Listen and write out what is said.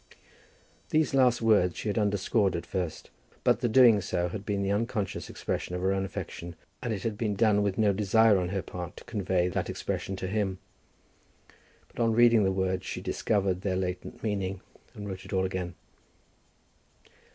These last words she had underscored at first, but the doing so had been the unconscious expression of her own affection, and had been done with no desire on her part to convey that expression to him. But on reading the words she discovered their latent meaning, and wrote it all again.